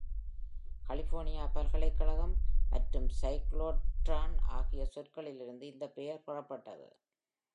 "California", "பல்கலைக்கழகம்" மற்றும் "cyclotron" ஆகிய சொற்களிலிருந்து இந்த பெயர் பெறப்பட்டது.